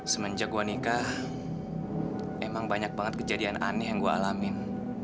semenjak gue nikah emang banyak banget kejadian aneh yang gue alamin